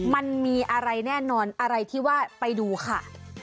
มันมีอะไรแน่นอนอะไรที่ว่าไปดูค่ะ